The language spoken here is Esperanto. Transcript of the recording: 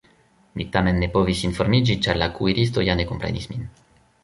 Mi tamen ne povis informiĝi, ĉar la kuiristo ja ne komprenis min.